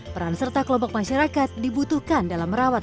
peran serta kelompok masyarakat dibutuhkan dalam menjaga hutan